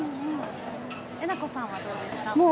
えなこさんはどうでしたか。